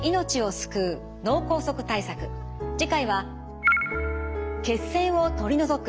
次回は血栓を取り除く！